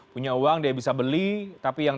punya uang dia bisa beli tapi yang